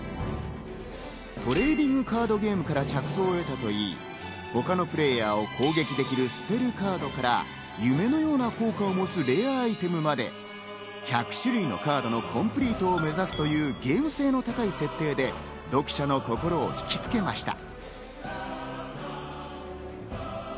トレーディングカードゲームから着想を得たといい、他のプレイヤーを攻撃できる呪文カードから夢のような効果を持つレアアイテムまで、１００種類のカードのコンプリートを目指すというゲーム性の高い設定で、読者の心を惹きつけました。